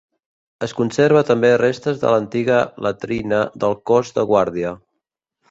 Es conserva també restes de l'antiga latrina del cós de guàrdia.